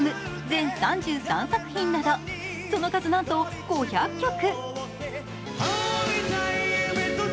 全３３作品などその数なんと５００曲。